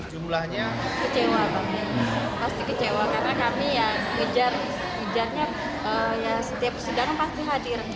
pasti kecewa karena kami ya ngejar ngejarnya ya setiap sidang pasti hadir